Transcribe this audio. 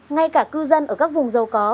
ngay cả cư dân ở các vùng giàu có